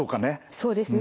そうですね。